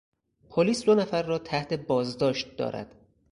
پلیس دو نفر را تحت بازداشت دارد.